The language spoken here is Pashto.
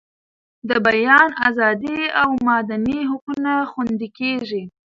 د بیان ازادي او مدني حقونه خوندي کیږي.